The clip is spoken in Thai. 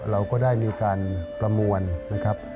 เราก็ได้มีการประมวลนะครับ